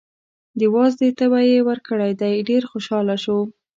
د وازدې تبی یې ورکړی دی، ډېر خوشحاله شو.